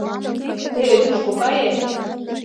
Теве тушко кае.